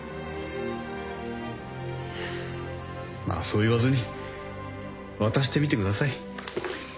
まあそう言わずに渡してみてください。